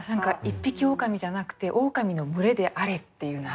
一匹オオカミじゃなくてオオカミの群れであれっていうのが。